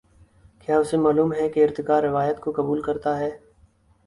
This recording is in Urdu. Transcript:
کیا اسے معلوم ہے کہ ارتقا روایت کو قبول کرتا ہے۔